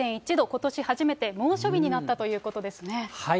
ことし初めて猛暑日になったということですね。